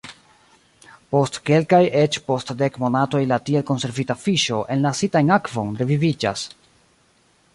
Post kelkaj, eĉ post dek monatoj la tiel konservita fiŝo, enlasita en akvon, reviviĝas.